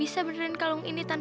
soalnya tempat itu sedikit panjang